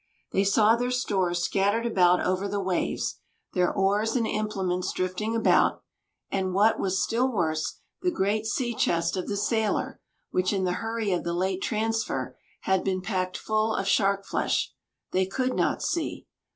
They saw their stores scattered about over the waves, their oars and implements drifting about; and, what was still worse, the great sea chest of the sailor, which, in the hurry of the late transfer, had been packed full of shark flesh, they could not see.